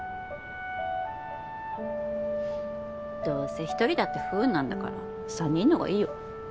どせ１人だって不運なんだから３人の方がいいよ。